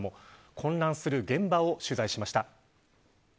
混乱する現場を取材しました。